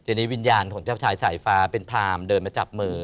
ทีนี้วิญญาณของเจ้าชายสายฟ้าเป็นพรามเดินมาจับมือ